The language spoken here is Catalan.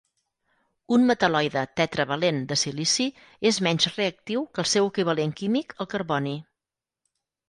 Un metal·loide tetravalent de silici és menys reactiu que el seu equivalent químic, el carboni.